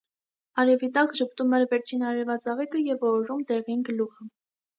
Արևի տակ ժպտում էր վերջին արևածաղիկը և օրորում դեղին գլուխը: